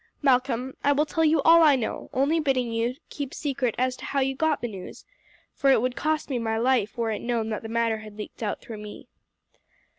Malcolm, I will tell you all I know, only bidding you keep secret as to how you got the news, for it would cost me my life were it known that the matter had leaked out through me."